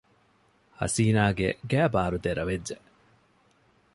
ހަސީނާގެ ގައިބާރު ދެރަވެއްޖެ